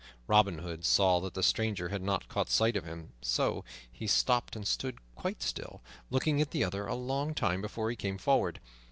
Robin Hood saw that the stranger had not caught sight of him, so he stopped and stood quite still, looking at the other a long time before he came forward.